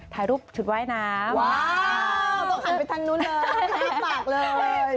ถ่ายรูปชุดว่ายน้ำว้าวตกการไปทางนู้นเลย